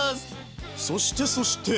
そしてそして。